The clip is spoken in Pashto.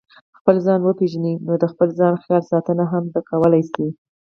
خپل ځان وپېژنئ نو د خپل ځان خیال ساتنه هم زده کولای شئ.